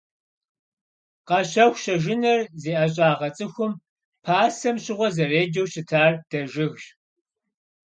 Къэщэху-щэжыныр зи ӀэщӀагъэ цӀыхум пасэм щыгъуэ зэреджэу щытар дэжыгщ.